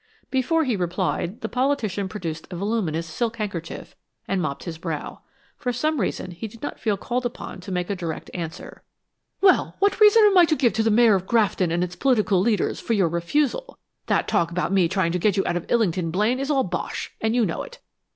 Before he replied, the politician produced a voluminous silk handkerchief, and mopped his brow. For some reason he did not feel called upon to make a direct answer. "Well, what reason am I to give to the Mayor of Grafton and its political leaders, for your refusal? That talk about me trying to get you out of Illington, Blaine, is all bosh, and you know it.